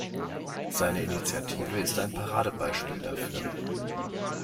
Seine Initiative ist ein Paradebeispiel dafür.